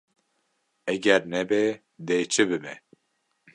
Eger nebe dê çi bibe?